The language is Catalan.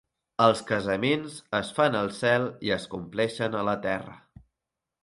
Els casaments es fan al cel i es compleixen a la terra.